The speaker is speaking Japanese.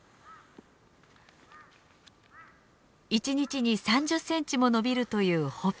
１日に３０センチも伸びるというホップ。